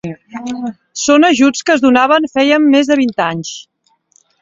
Són ajuts que es donaven feia més de vint anys.